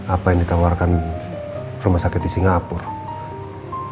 apa yang ditawarkan rumah sakit di singapura